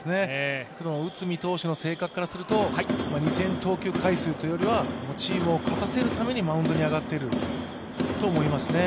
内海投手の性格からすると、２０００投球回数というよりはチームを勝たせるためにマウンドに上がっていると思いますね。